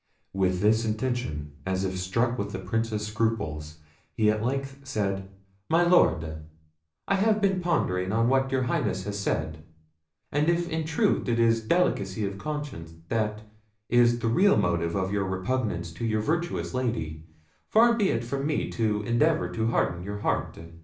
With this intention, as if struck with the Prince's scruples, he at length said: "My Lord, I have been pondering on what your Highness has said; and if in truth it is delicacy of conscience that is the real motive of your repugnance to your virtuous Lady, far be it from me to endeavour to harden your heart.